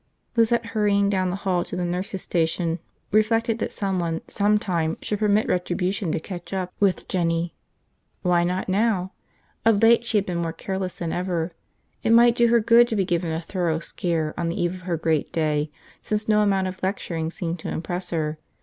Lizette, hurrying down the hall to the nurses' station, reflected that someone, sometime, should permit retribution to catch up with Jinny. Why not now? Of late she had been more careless than ever. It might do her good to be given a thorough scare on the eve of her great day, since no amount of lecturing seemed to impress her.